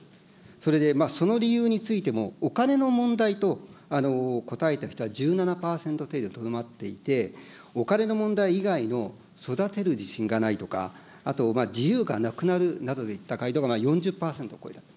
それでその理由についても、お金の問題と答えた人は１７％程度にとどまっていて、お金の問題以外の育てる自信がないとか、あと、自由がなくなるなどといった回答が４０％を超えた。